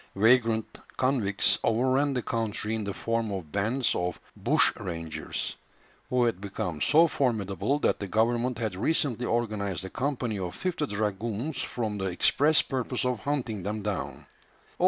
Vagrant convicts overran the country in the form of bands of "bushrangers," who had become so formidable that the government had recently organized a company of fifty dragoons for the express purpose of hunting them down.